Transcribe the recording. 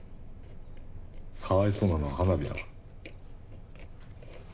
かわいそうなのは花火だから。